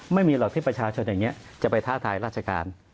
ไม่มีหรอกที่ประชาชนอย่างนี้จะไปท้าทายราชการ